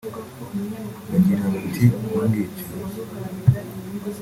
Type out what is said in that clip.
bagira bati “ Umwicanyi